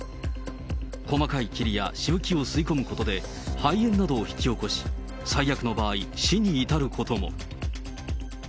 細かい霧やしぶきを吸い込むことで、肺炎などを引き起こし、最悪の場合、死に至ることも。